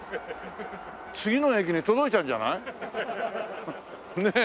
次の駅に届いちゃうんじゃない？ねえ。